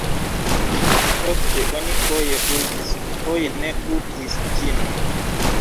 Poste oni foje uzis, foje ne uzis ĝin.